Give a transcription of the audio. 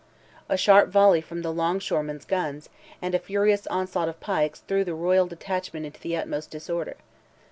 A sharp volley from the long shore men's guns, and a furious onslaught of pikes threw the royal detachment into the utmost disorder.